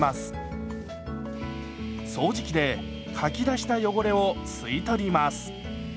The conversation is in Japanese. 掃除機でかき出した汚れを吸い取ります。